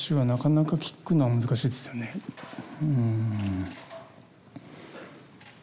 うん。